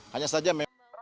hanya saja memang